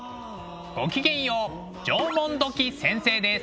ごきげんよう縄文土器先生です。